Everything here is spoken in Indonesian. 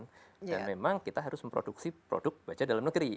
dan memang kita harus memproduksi produk baja dalam negeri